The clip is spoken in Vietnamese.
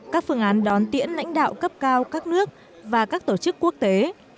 các phương án đón tiễn lãnh đạo cấp cao các nước và các tổ chức quốc tế